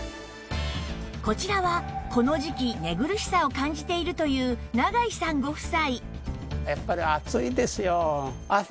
こちらはこの時季寝苦しさを感じているという永井さんご夫妻